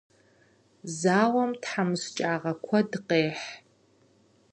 Зауэм тхьэмыщкӏагъэ куэд къехь.